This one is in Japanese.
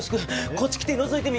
こっち来てのぞいてみ！